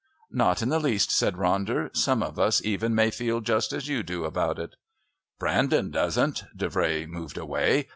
"Not in the least," said Ronder; "some of us even may feel just as you do about it." "Brandon doesn't." Davray moved away.